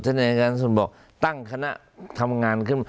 ท่านอัยการสุดบอกตั้งคณะทำงานขึ้น